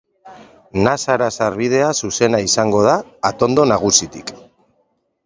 Nasara sarbidea zuzena izango da atondo nagusitik.